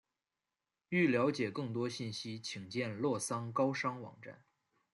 欲了解更多信息请见洛桑高商网站。